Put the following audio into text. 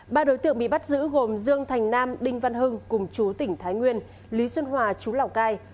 ba đối tượng bị bắt giữ gồm dương thành nam đinh văn hưng cùng chú tỉnh thái nguyên lý xuân hòa chú lào cai